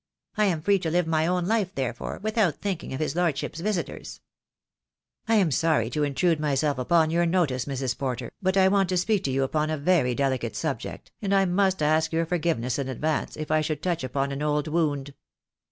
I am free to live my own life therefore, without thinking of his Lordship's visitors/' "I am sorry to intrude myself upon your notice, Mrs. Porter, but I want to speak to you upon a very delicate subject, and I must ask your forgiveness in advance if I should touch upon an old wound."